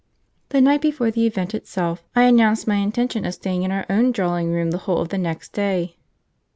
The night before the event itself I announced my intention of staying in our own drawing room the whole of the next day.